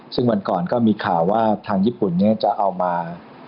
ซึ่งวันก่อนก็มีข่าวว่าทางญี่ปุ่นเนี่ยจะเอามา